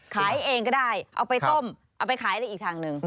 ขายเองก็ได้เอาไปต้มเอาไปขายอะไรอีกทางหนึ่ง